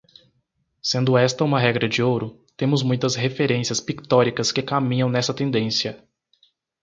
Sendo esta uma regra de ouro, temos muitas referências pictóricas que caminham nessa tendência.